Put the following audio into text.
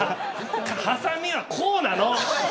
はさみは、こうなの。